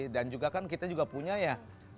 dan juga kan kita punya ya